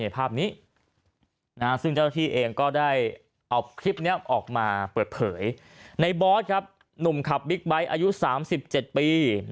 ภาพนี้ซึ่งเจ้าที่เองก็ได้เอาคลิปนี้ออกมาเปิดเผยในบอสครับหนุ่มขับบิ๊กไบท์อายุ๓๗ปี